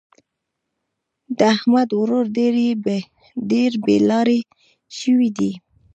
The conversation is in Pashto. د احمد ورور ډېر بې لارې شوی دی.